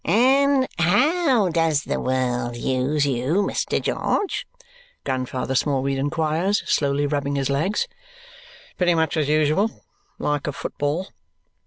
"And how does the world use you, Mr. George?" Grandfather Smallweed inquires, slowly rubbing his legs. "Pretty much as usual. Like a football."